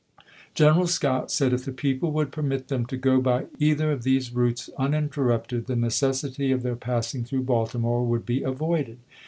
Greneral Scott said if the people would permit them to go by either of these routes uninterrupted, the necessity of their passing through Baltimore would be avoided.